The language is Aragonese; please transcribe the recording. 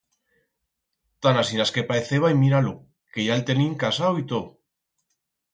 Tan asinas que paeceba y mira-lo, que ya el tenim casau y tot.